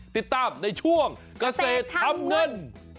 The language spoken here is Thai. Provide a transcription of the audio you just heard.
ติดตามในช่วงเกษตรทำเงิน